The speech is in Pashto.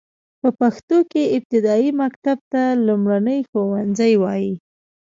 په پښتو کې ابتدايي مکتب ته لومړنی ښوونځی وايي.